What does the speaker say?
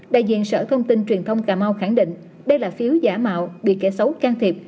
đại diện sở thông tin truyền thông cà mau khẳng định đây là phiếu giả mạo bị kẻ xấu can thiệp